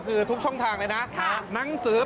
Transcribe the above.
คือทุกช่องทางเลยนะหนังสือ